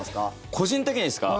個人的にはですか？